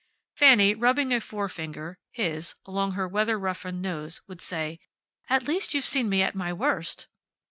Fanny, rubbing a forefinger (his) along her weather roughened nose, would say, "At least you've seen me at my worst."